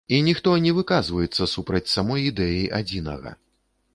І ніхто не выказваецца супраць самой ідэі адзінага.